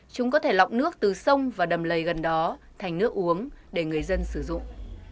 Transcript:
chúng có thể lọc nước từ sông và đầm lầy gần đó thành nước uống để người dân sử dụng